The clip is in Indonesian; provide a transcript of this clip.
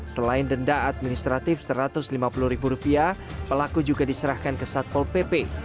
selain denda administratif rp satu ratus lima puluh pelaku juga diserahkan ke satpol pp